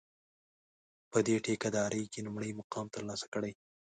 په دې ټېکه داري کې لومړی مقام ترلاسه کړي.